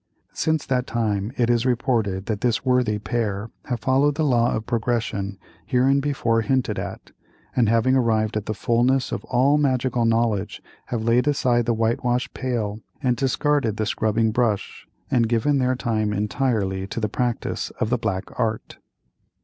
Since that time it is reported that this worthy pair have followed the law of progression hereinbefore hinted at, and having arrived at the fulness of all magical knowledge, have laid aside the whitewash pail and discarded the scrubbing brush, and given their time entirely to the practice of the Black Art.